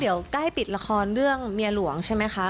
เดี๋ยวใกล้ปิดละครเรื่องเมียหลวงใช่ไหมคะ